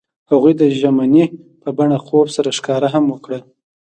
هغوی د ژمنې په بڼه خوب سره ښکاره هم کړه.